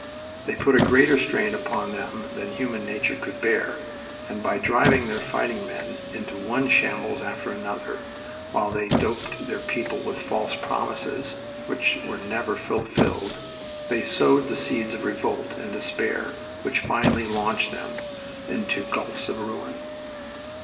They put a greater strain upon them than human nature could bear, and by driving their fighting men into one shambles after another, while they doped their people with false promises which were never fulfilled, they sowed the seeds of revolt and despair which finally launched them into gulfs of ruin.